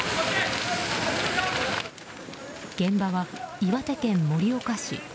現場は岩手県盛岡市。